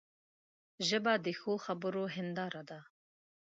ژبه د ښو خبرو هنداره ده